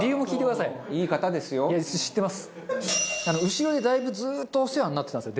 後ろでだいぶずっとお世話になってたんですよ